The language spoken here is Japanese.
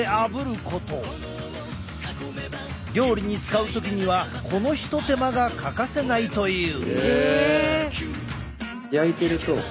料理に使う時にはこのひと手間が欠かせないという。